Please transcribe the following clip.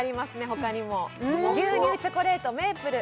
ほかにも牛乳チョコレートメープル